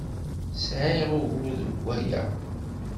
Sɛiɣ ugur deg waya.